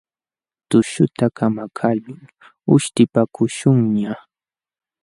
Tushuyta kamakaqlul uśhtipakuśhunñaq.